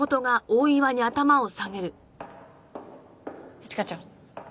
一課長。